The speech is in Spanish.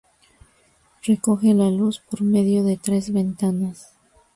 Recoge la luz por medio de tres ventanas.